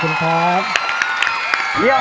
ขอบคุณครับ